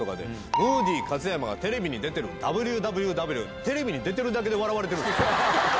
ムーディ勝山がテレビに出てるＷＷＷ、テレビに出てるだけで笑われてるんですよ。